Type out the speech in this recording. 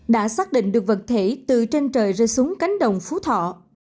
đã xác định được vật thể từ trên trời rơi xuống cánh đồng phú thọ